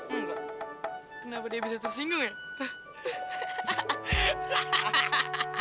kenapa dia bisa tersinggung ya